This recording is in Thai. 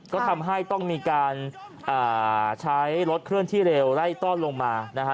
ก็ทำให้ต้องมีการใช้รถเคลื่อนที่เร็วไล่ต้อนลงมานะฮะ